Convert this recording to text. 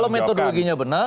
kalau metodologinya benar